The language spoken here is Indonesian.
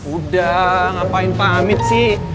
udah ngapain pamit sih